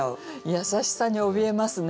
優しさに怯えますね。